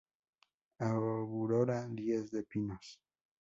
Aurora Diez de Pinos.